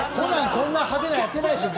こんな事件やってないでしょ。